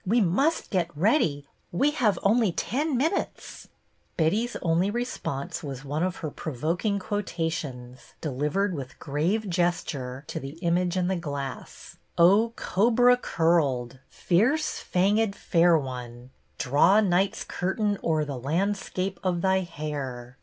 We must get ready ; we have only ten minutes," Betty's only response was one of her provoking quotations, delivered with grave gesture, to the image in the glass, —"' Oh, cobra curled ! Fierce fang^cl fair one ! Draw Night's curtain o'er the landscape of thy hair